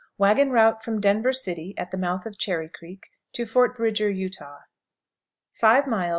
Wagon route from Denver City, at the Mouth of Cherry Creek, to Fort Bridger, Utah. Miles.